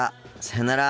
さようなら。